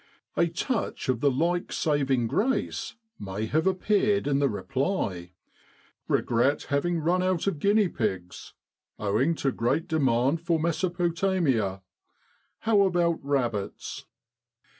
" A touch of the like saving grace may have ap peared in the reply :' Regret having run out of guinea pigs, owing to great demand for Mesopotamia. How about rabbits